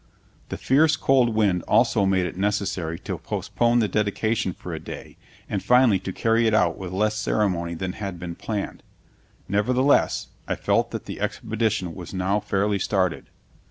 The fierce, cold wind also made it necessary to postpone the dedication for a day and finally to carry it out with less ceremony than had been planned. Nevertheless, I felt that the expedition was now fairly started.